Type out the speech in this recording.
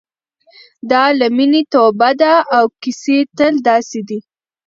دا له مینې توبه ده او کیسې تل داسې دي.